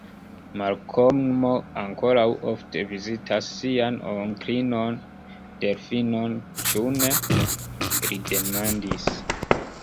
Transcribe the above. Malkomo ankoraŭ ofte vizitas sian onklinon Delfinon; ĉu ne? li demandis.